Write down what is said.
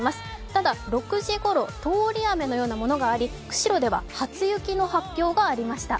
ただ、６時ごろ通り雨のようなものがあり、釧路では初雪の発表がありました。